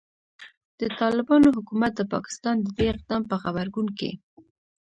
د طالبانو حکومت د پاکستان د دې اقدام په غبرګون کې